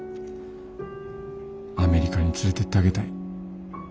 アメリカに連れてってあげたい。